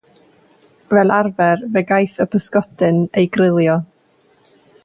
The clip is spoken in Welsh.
Fel arfer, fe gaiff y pysgodyn ei grilio.